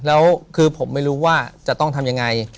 แล้วคือผมไม่รู้ว่าจะต้องทำยังไง